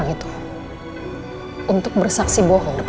aduh aduh aduh